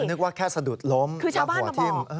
นึกว่าแค่สะดุดล้มคือชาวบ้านมาบอก